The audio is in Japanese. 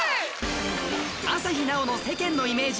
朝日奈央の世間のイメージ